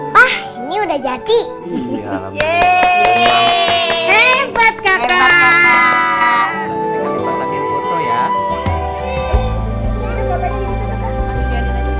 pak ini udah jadi yee hebat kakak